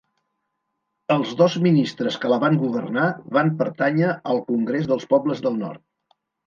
Els dos ministres que la van governar van pertànyer al Congrés dels Pobles del Nord.